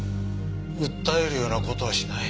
訴えるような事はしない。